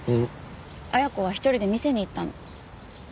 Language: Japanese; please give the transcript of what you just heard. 恵子は１人で見せに行ったの。